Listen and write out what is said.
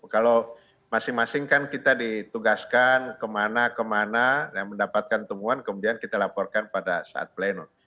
kalau masing masing kan kita ditugaskan kemana kemana mendapatkan temuan kemudian kita laporkan pada saat pleno